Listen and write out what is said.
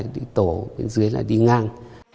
đi tổ bên dưới là đi ngang